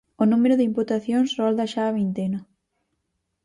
O número de imputacións rolda xa a vintena.